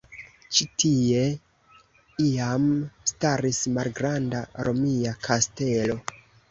Ĉi tie iam staris malgranda romia kastelo.